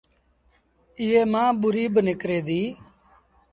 ايئي مآݩ ٻُوريٚ با نڪري ديٚ۔